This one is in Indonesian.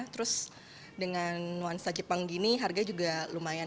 terus dengan nuansa jepang gini harga juga lumayan